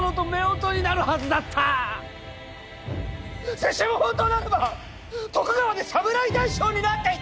拙者も本当ならば徳川で侍大将になっていた！